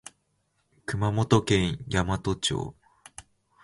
熊本県山都町